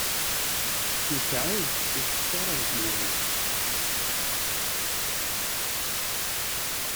Ikεeb icekkeṛ ajeḥniḍ-is.